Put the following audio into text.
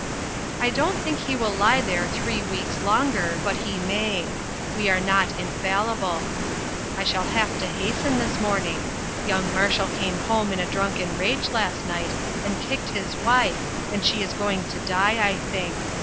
" I don't think he will lie there three weeks longer, but he may ; we are not in fallible. I shall have to hasten this morn ing. Young Marshall came home in a drunken rage last night, and kicked his wife, and she is going to die, I think.